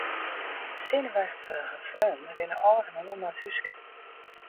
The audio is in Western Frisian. De senuweftige freonen rinne ôf en oan nei it húske.